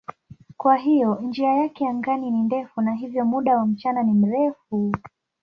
Kwa hiyo njia yake angani ni ndefu na hivyo muda wa mchana ni mrefu.